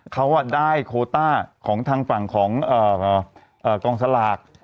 เขาได้โคต้าของทางฝั่งของกองสลาก